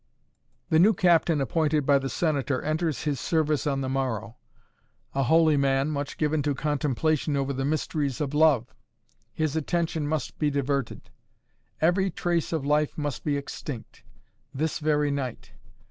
The new captain appointed by the Senator enters his service on the morrow. A holy man, much given to contemplation over the mysteries of love. His attention must be diverted. Every trace of life must be extinct this very night.